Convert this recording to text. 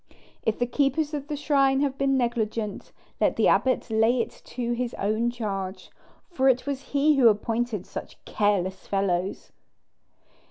If the keepers of the shrine have been negligent, let the abbot lay it to his own charge, for it was he who appointed such careless fellows."